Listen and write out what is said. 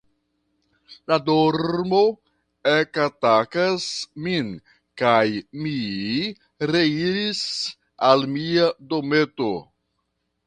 La dormo ekatakas min, kaj mi reiris al mia dometo.